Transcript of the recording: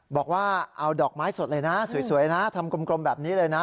บอกว่าเอาดอกไม้สดเลยนะสวยนะทำกลมแบบนี้เลยนะ